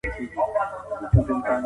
هغه څومره نازک زړه لري